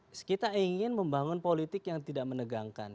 saya kira kita ingin membangun politik yang tidak menegangkan